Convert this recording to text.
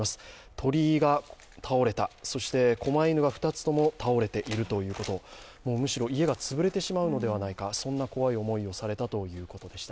鳥居が倒れた、そしてこま犬が２つとも倒れているということむしろ家が潰れてしまうのではないか、そんな怖い思いをしたということでした。